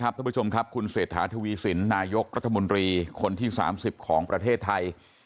ท่านผู้ชมครับคุณเศรษฐาทวีสินนายกรัฐมนตรีคนที่๓๐ของประเทศไทย